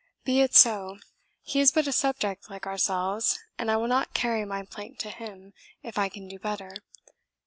Be it so; he is but a subject like ourselves, and I will not carry my plaint to him, if I can do better.